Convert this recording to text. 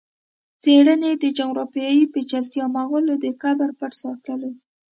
څېړني یې د جغرافیایي پېچلتیا، مغولو د قبر پټ ساتلو